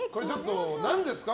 何ですか？